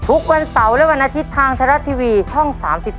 ทุกวันเสาร์และวันอาทิตย์ทางไทยรัฐทีวีช่อง๓๒